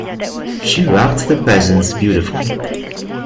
She wrapped the presents beautifully.